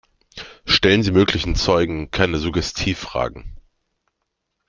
Stellen Sie möglichen Zeugen keine Suggestivfragen.